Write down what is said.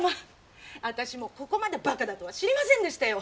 私もここまでバカだとは知りませんでしたよ。